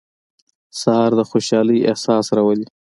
سهار د خوشحالۍ احساس راولي.